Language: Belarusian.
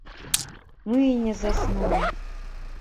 Мы і не заснулі.